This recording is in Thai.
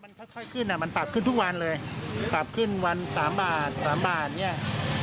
มันค่อยขึ้นอ่ะมันปรับขึ้นทุกวันเลยปรับขึ้นวันสามบาทสามบาทเนี้ย